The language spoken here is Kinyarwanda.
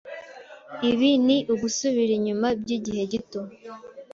Ibi ni ugusubira inyuma byigihe gito.